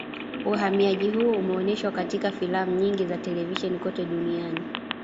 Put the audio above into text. Uhamiaji huu umeoneshwa katika filamu nyingi za televisheni kote duniani